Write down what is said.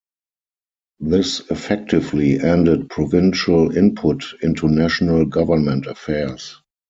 This effectively ended provincial input into national government affairs.